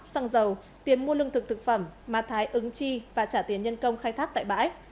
xăng dầu tiền mua lương thực thực phẩm mà thái ứng chi và trả tiền nhân công khai thác tại bãi